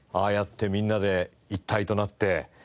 ああやってみんなで一体となって。